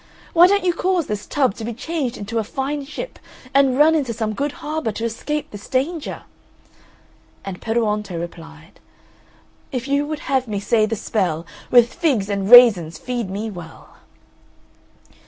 Why don't you cause this tub to be changed into a fine ship and run into some good harbour to escape this danger?" And Peruonto replied "If you would have me say the spell, With figs and raisins feed me well!"